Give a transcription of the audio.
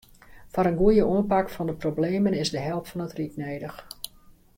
Foar in goeie oanpak fan de problemen is de help fan it ryk nedich.